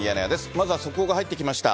まずは速報が入ってきました。